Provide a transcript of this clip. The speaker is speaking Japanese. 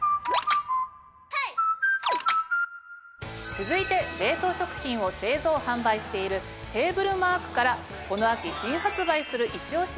続いて冷凍食品を製造販売しているテーブルマークからこの秋新発売するイチ押し